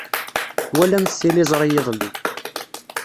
Twalamt tiliẓri iḍelli.